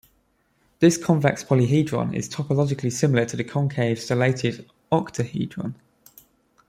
This convex polyhedron is topologically similar to the concave stellated octahedron.